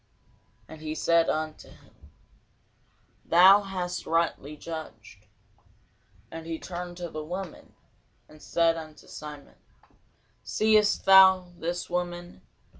And he said unto him, Thou hast rightly judged. And he turned to the woman, and said unto Simon, Seest thou this woman?